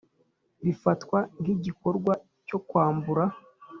Bifatwa nk’ igikorwa cyokwambura.